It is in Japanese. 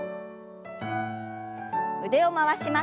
腕を回します。